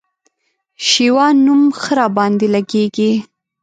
شېوان نوم ښه راباندي لګېږي